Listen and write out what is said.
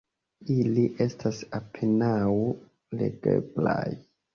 Ili estas apenaŭ legeblaj.